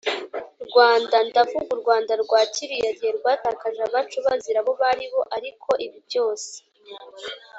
Rwanda ndavuga u rwanda rwa kiriya gihe twatakaje abacu bazira abo baribo ariko ibi byose